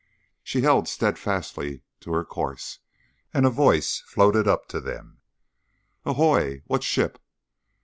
She held steadfastly to her course, and a voice floated up to them: "Ahoy! What ship?"